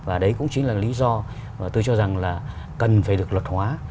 và đấy cũng chính là lý do mà tôi cho rằng là cần phải được luật hóa